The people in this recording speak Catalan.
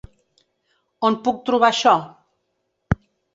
On puc trobar això?